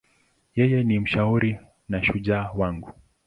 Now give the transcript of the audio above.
Yeye ni mshauri na shujaa wangu.